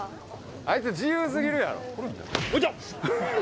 あいつ自由過ぎるやろ。